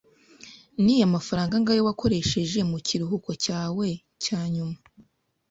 Ni amafaranga angahe wakoresheje mu kiruhuko cyawe cya nyuma?